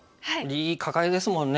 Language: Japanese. いいカカエですもんね。